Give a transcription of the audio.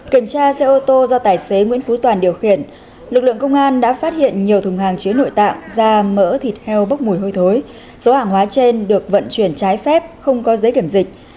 kiểm tra xe ô tô do tài xế nguyễn phú toàn điều khiển lực lượng công an đã phát hiện nhiều thùng hàng chứa nội tạng da mỡ thịt heo bốc mùi hôi thối số hàng hóa trên được vận chuyển trái phép không có giấy kiểm dịch